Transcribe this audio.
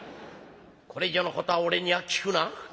これ以上のことは俺には聞くな」。